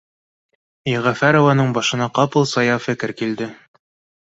Йәғәфәрованың башына ҡапыл сая фекер килде